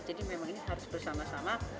jadi memang ini harus bersama sama